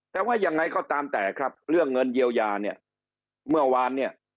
แต่วันที่เคยเยียวยาเนี่ยเมื่อวานเนี่ย